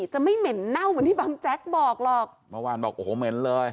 จะไม่เหม็นเน่าเหมือนที่บางแจ๊กบอกหรอกเมื่อวานบอกโอ้โหเหม็นเลย